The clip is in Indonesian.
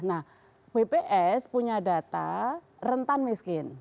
nah bps punya data rentan miskin